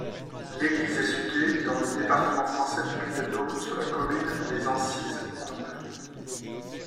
L'église est située dans le département français du Puy-de-Dôme, sur la commune des Ancizes-Comps.